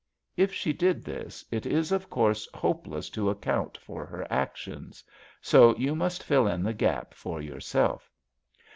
If she did this, it is of course hopeless to account for her actions. So you must fill in the gap for yourself.